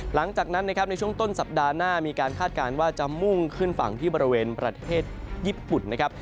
หลังจากนั้นนะครับในช่วงต้นสัปดาห์หน้ามีการคาดการณ์ว่าจะมุ่งขึ้นฝั่งที่บริเวณประเทศญี่ปุ่นนะครับ